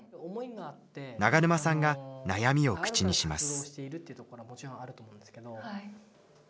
永沼さんが悩みを口にします。